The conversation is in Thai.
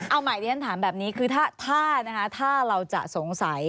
เอาใหม่ในทันถามแบบนี้ถ้าเราจะสงสัย